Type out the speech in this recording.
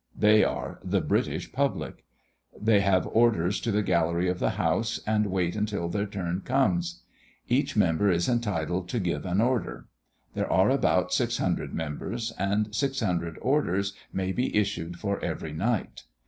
They are the British public. They have orders to the gallery of the House, and wait until their turn comes. Each member is entitled to give an order. There are about six hundred members, and six hundred orders may be issued for every night.